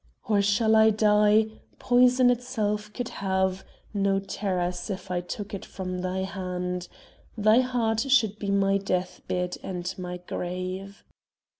"Or shall I die? Poison itself could have No terrors if I took it from thy hand. Thy heart should be my death bed and my grave."